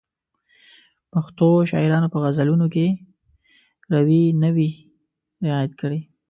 پښتو شاعرانو په غزلونو کې روي نه وي رعایت کړی.